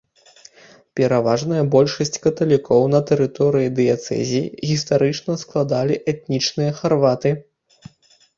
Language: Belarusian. Пераважная большасць каталікоў на тэрыторыі дыяцэзіі гістарычна складалі этнічныя харваты.